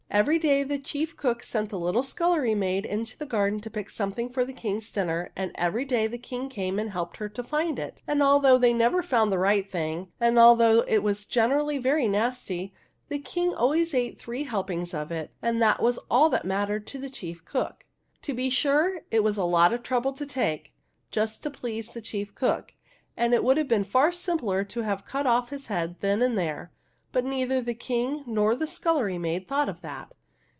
Every day the chief cook sent the little scullery maid into the garden to pick something for the King's din ner, and every day the King came and helped her to find it ; and although they never found the right thing and although it was generally very nasty, the King always ate three helpings of it, and that was all that mattered to the 64 THE HUNDREDTH PRINCESS chief cook. To be sure, it was a lot of trouble to take, just to please the chief cook, and it would have been far simpler to have cut off his head then and there ; but neither the King nor the scullery maid thought of that.